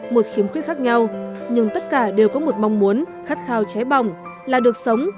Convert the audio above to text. một khiếm khuyết khác nhau nhưng tất cả đều có một mong muốn khát khao cháy bỏng là được sống